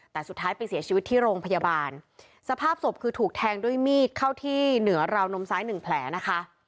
แต่สุดท้ายไปเสียชีวิตที่โรงพยาบาลสภาพศพคือถูกแทงด้วยมีดเข้าที่เหนือราวนมซ้ายหนึ่งแผลนะคะ